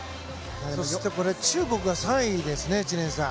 中国が３位ですね知念さん。